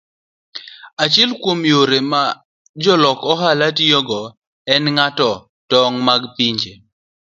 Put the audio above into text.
Achiel kuom yore ma jolok ohala tiyogo en ng'ado tong' mag pinje.